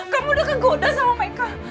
kamu udah kegoda sama mereka